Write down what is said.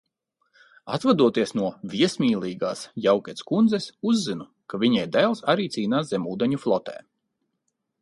"Atvadoties no "viesmīlīgās" Jaukec kundzes uzzinu, ka viņai dēls arī cīnās zemūdeņu flotē."